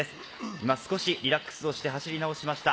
今、少しリラックスをして、走り直しました。